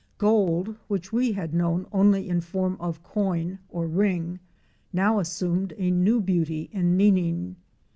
Gold, which we had known only in form of coin or ring, now assumed a new beauty and meaning.